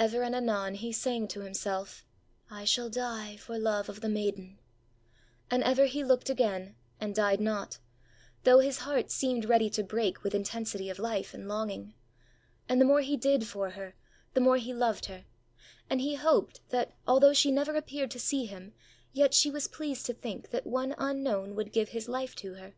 Ever and anon he sang to himself: ãI shall die for love of the maiden;ã and ever he looked again, and died not, though his heart seemed ready to break with intensity of life and longing. And the more he did for her, the more he loved her; and he hoped that, although she never appeared to see him, yet she was pleased to think that one unknown would give his life to her.